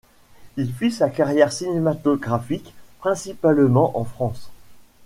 Il fit sa carrière cinématographique principalement en France.